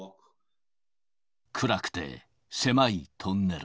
暗くて狭いトンネル。